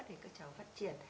thì các cháu phát triển